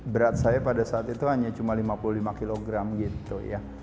berat saya pada saat itu hanya cuma lima puluh lima kg gitu ya